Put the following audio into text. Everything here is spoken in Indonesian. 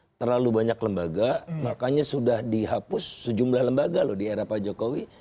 karena terlalu banyak lembaga makanya sudah dihapus sejumlah lembaga loh di era pak jokowi